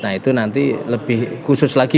nah itu nanti lebih khusus lagi